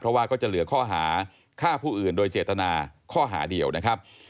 เพราะว่าก็จะเหลือข้อหาฆ่าผู้อื่นโดยเจตนาข้อหาเดียวนะครับ